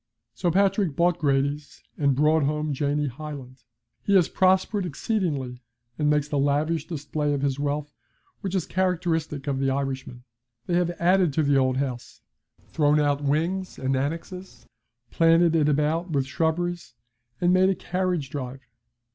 So Patrick bought Grady's and brought home Janie Hyland. He has prospered exceedingly, and makes the lavish display of his wealth which is characteristic of the Irishman. They have added to the old house, thrown out wings and annexe, planted it about with shrubberies, and made a carriage drive.